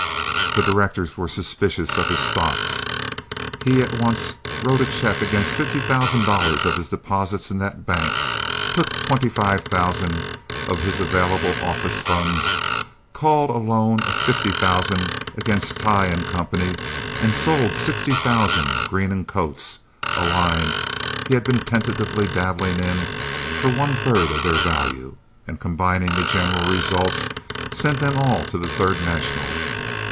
The directors were suspicious of his stocks. He at once wrote a check against fifty thousand dollars of his deposits in that bank, took twenty five thousand of his available office funds, called a loan of fifty thousand against Tighe & Co., and sold sixty thousand Green & Coates, a line he had been tentatively dabbling in, for one third their value—and, combining the general results, sent them all to the Third National.